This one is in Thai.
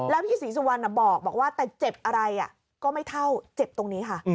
แล้วพี่ศรีสุวรรณบอกว่าแต่เจ็บอะไรก็ไม่เท่าเจ็บตรงนี้ค่ะ